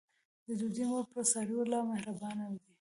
د دوی مور په څارویو لا مهربانه وي.